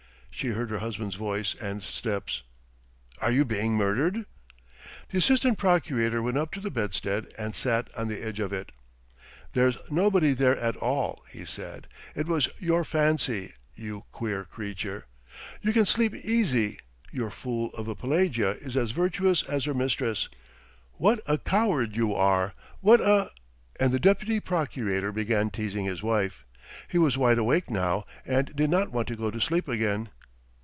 She heard her husband's voice and steps. "Are you being murdered?" The assistant procurator went up to the bedstead and sat down on the edge of it. "There's nobody there at all," he said. "It was your fancy, you queer creature. ... You can sleep easy, your fool of a Pelagea is as virtuous as her mistress. What a coward you are! What a ...." And the deputy procurator began teasing his wife. He was wide awake now and did not want to go to sleep again.